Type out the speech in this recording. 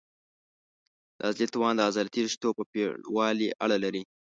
د عضلې توان د عضلاتي رشتو په پېړوالي اړه لري.